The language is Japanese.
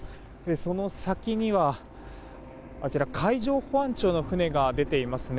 その先には海上保安庁の船が出ていますね。